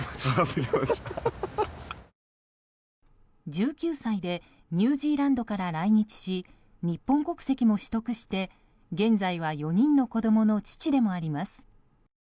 １９歳でニュージーランドから来日し日本国籍も取得して現在は４人の子供の父でもあります。